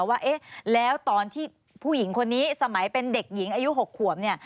ว่าแล้วตอนที่ผู้หญิงคนนี้สมัยเป็นเด็กหญิงอายุ๖ขวม